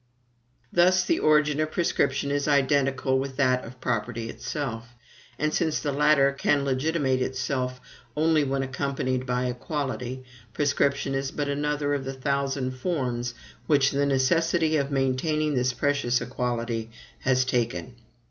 Thus the origin of prescription is identical with that of property itself; and since the latter can legitimate itself only when accompanied by equality, prescription is but another of the thousand forms which the necessity of maintaining this precious equality has taken.